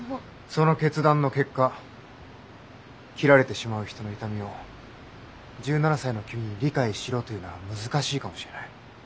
その決断の結果切られてしまう人の痛みを１７才の君に理解しろというのは難しいかもしれない。